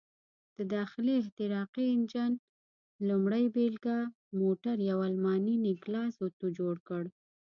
د داخلي احتراقي انجن لومړۍ بېلګه موټر یو الماني نیکلاس اتو جوړ کړ.